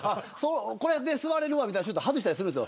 これで座れるわ、みたいなシュート外したりするんです。